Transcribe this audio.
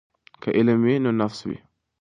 که علم وي نو نفس وي.